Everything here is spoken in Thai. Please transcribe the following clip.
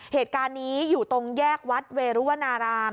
เหตุการณ์นี้อยู่ตรงแยกวัดเวรุวนาราม